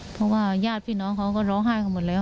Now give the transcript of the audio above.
เพราะว่าญาติพี่น้องเขาก็ร้องไห้กันหมดแล้ว